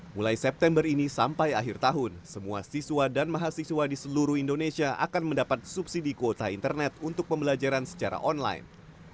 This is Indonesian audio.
mulai september ini sampai akhir tahun semua siswa dan mahasiswa di seluruh indonesia akan mendapat subsidi kuota internet untuk pembelajaran secara online